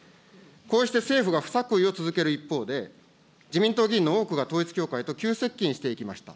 こうして政府が不作為を続ける一方で、自民党議員の多くが統一教会と急接近していきました。